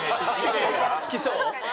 好きそう？